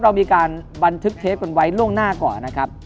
เรามีการบันทึกเทปกันไว้ล่วงหน้าก่อนนะครับ